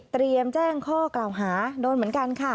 เตรียมแจ้งข้อกล่าวหานวลเหมือนกันค่ะ